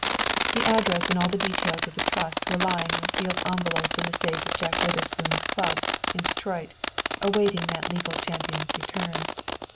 The address and all the details of the Trust were lying in a sealed envelope in the safe of Jack Witherspoon's club, in Detroit, awaiting that legal champion's return.